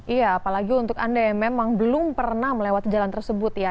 iya apalagi untuk anda yang memang belum pernah melewati jalan tersebut ya